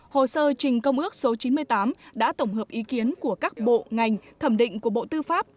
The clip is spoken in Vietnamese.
hồ sơ trình công ước số chín mươi tám đã tổng hợp ý kiến của các bộ ngành thẩm định của bộ tư pháp